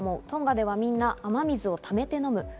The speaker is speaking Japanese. トンガではみんな、雨水をためて飲む。